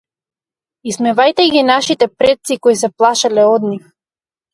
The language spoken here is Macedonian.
Исмевајте ги нашите предци кои се плашеле од нив.